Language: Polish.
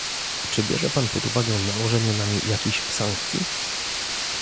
Czy bierze pan pod uwagę nałożenie na nie jakichś sankcji?